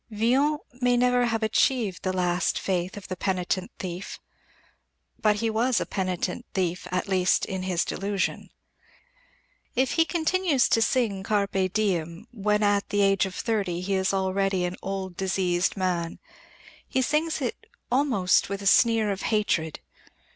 Villon may never have achieved the last faith of the penitent thief. But he was a penitent thief at least in his disillusion. If he continues to sing Carpe diem when at the age of thirty he is already an old, diseased man, he sings it almost with a sneer of hatred.